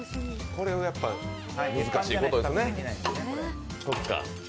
これ、やっぱ難しいことですね。